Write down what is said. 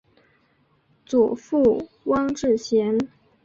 祖父汪志贤。